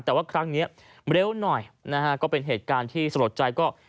แต่ว่าครั้งนี้เร็วหน่อยนะฮะก็เป็นเหตุการณ์ที่สลดใจก็